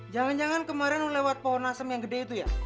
jangan jangan kemarin lewat pohon nasem yang gede itu ya